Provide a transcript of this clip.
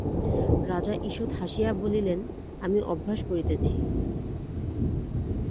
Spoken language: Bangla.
রাজা ঈষৎ হাসিয়া বলিলেন, আমি অভ্যাস করিতেছি।